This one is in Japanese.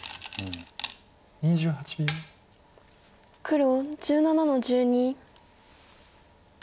黒１７の十二。